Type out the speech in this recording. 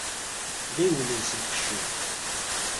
Ɣiwel els lqecc-im.